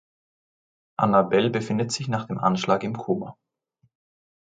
Annabelle befindet sich nach dem Anschlag im Koma.